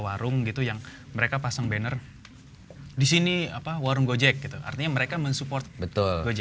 warung gitu yang mereka pasang banner di sini apa warung gojek gitu artinya mereka mensupport betul gojek